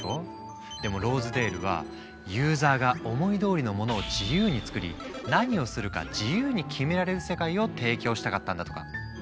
でもローズデールは「ユーザーが思いどおりのものを自由に作り何をするか自由に決められる世界」を提供したかったんだとか。